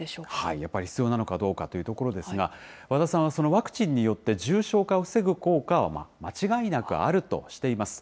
やっぱり必要なのかどうかというところですが、和田さんは、そのワクチンによって重症化を防ぐ効果は間違いなくあるとしています。